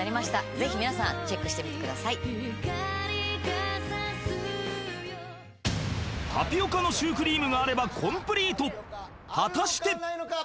ぜひ皆さんチェックしてみてくださいタピオカのシュークリームがあればコンプリート果たして！？